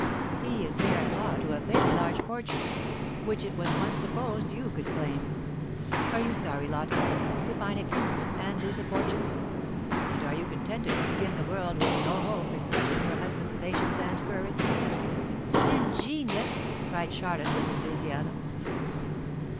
He is heir at law to a very large fortune, which it was once supposed you could claim. Are you sorry, Lotta, to find a kinsman and lose a fortune? and are you contented to begin the world with no hope except in your husband's patience and courage?" "And genius!" cried Charlotte, with enthusiasm.